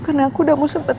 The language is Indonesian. karena aku udah mau sempet